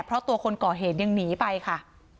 เพราะตัวคนก่อเหตุยังหนีไปค่ะ